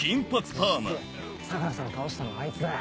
実質相良さん倒したのはあいつだよ。